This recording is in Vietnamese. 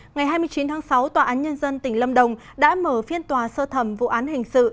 ngày hai mươi chín tháng sáu tòa án nhân dân tỉnh lâm đồng đã mở phiên tòa sơ thẩm vụ án hình sự